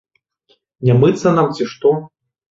Не мыцца нам ці што?